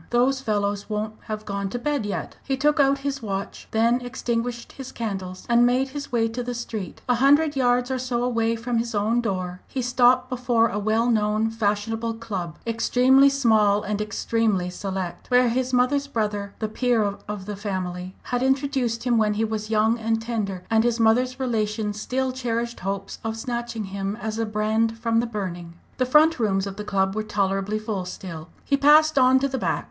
those fellows won't have gone to bed yet!" He took out his watch, then extinguished his candles, and made his way to the street. A hundred yards or so away from his own door he stopped before a well known fashionable club, extremely small, and extremely select, where his mother's brother, the peer of the family, had introduced him when he was young and tender, and his mother's relations still cherished hopes of snatching him as a brand from the burning. The front rooms of the club were tolerably full still. He passed on to the back.